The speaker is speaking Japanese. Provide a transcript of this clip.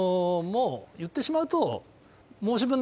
言ってしまうと。